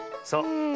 そう。